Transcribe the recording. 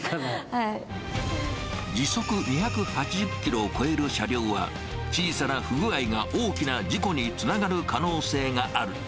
時速２８０キロを超える車両は、小さな不具合が大きな事故につながる可能性がある。